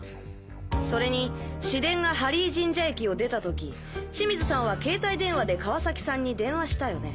それに市電が針井神社駅を出た時清水さんは携帯電話で川崎さんに電話したよね。